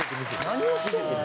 何をしてんねん。